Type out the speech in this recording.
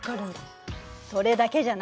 それだけじゃないの。